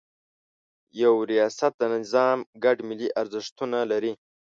یو ریاست د نظام ګډ ملي ارزښتونه لري.